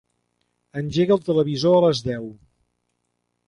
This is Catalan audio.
Engega el televisor a les deu.